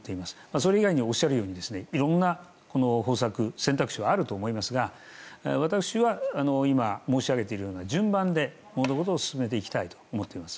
それ以外にもおっしゃるようにいろんな方策選択肢はあると思いますが私は、今申し上げているように順番で物事を進めていきたいと思っております。